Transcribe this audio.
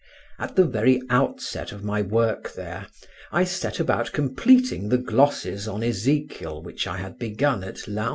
At the very outset of my work there, I set about completing the glosses on Ezekiel which I had begun at Laon.